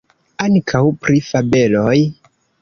Ankaŭ pri fabeloj?